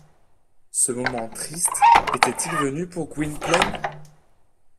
Ce moment triste était-il venu pour Gwynplaine?